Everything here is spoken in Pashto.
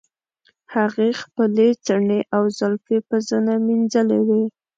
هغې خپلې څڼې او زلفې په زنه مینځلې وې.